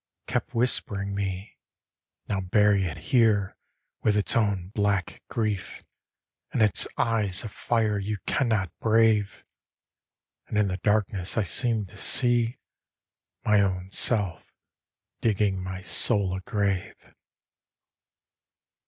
kept whispering me "Now bury it here with its own black grief, And its eyes of fire you can not brave!" And in the darkness I seemed to see My own self digging my soul a grave.